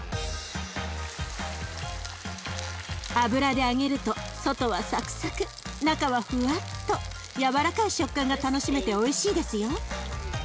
油で揚げると外はサクサク中はふわっと軟らかい食感が楽しめておいしいですよ。